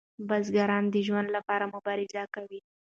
بزګران د ژوند لپاره مبارزه کوي.